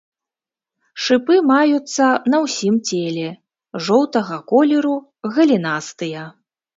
Шыпы маюцца на ўсім целе, жоўтага колеру, галінастыя.